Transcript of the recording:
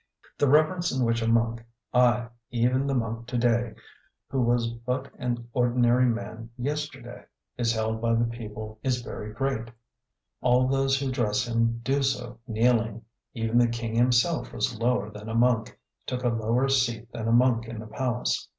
The reverence in which a monk ay, even the monk to day who was but an ordinary man yesterday is held by the people is very great. All those who address him do so kneeling. Even the king himself was lower than a monk, took a lower seat than a monk in the palace.